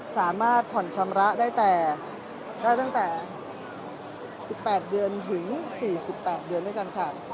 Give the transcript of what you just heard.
สามารถผ่อนชำระได้ตั้งแต่๑๘เดือนถึง๔๘เดือนด้วยกันค่ะ